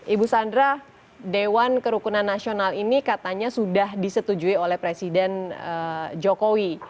ibu sandra dewan kerukunan nasional ini katanya sudah disetujui oleh presiden jokowi